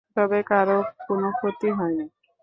তবে কারো কোনো ক্ষতি হয়নি।